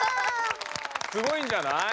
すごいんじゃない？